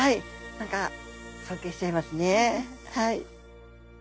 何か尊敬しちゃいますねはい。